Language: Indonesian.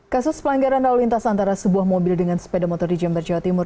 kasus pelanggaran lalu lintas antara sebuah mobil dengan sepeda motor di jember jawa timur